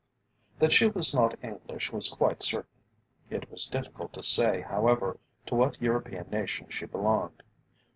That she was not English was quite certain. It was difficult to say, however, to what European nation she belonged.